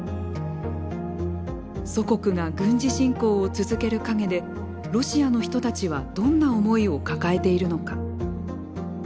祖国が軍事侵攻を続ける影でロシアの人たちはどんな思いを抱えているのか。